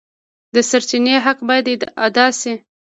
د سرچینې حق باید ادا شي.